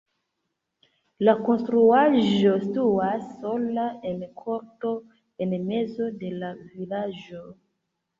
La konstruaĵo situas sola en korto en mezo de la vilaĝo.